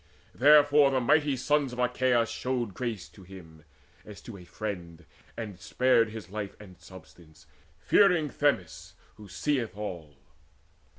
Therefore the mighty sons of Achaea showed Grace to him, as to a friend, and spared his life And substance, fearing Themis who seeth all.